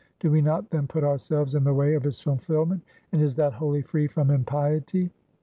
Do we not then put ourselves in the way of its fulfilment, and is that wholly free from impiety?"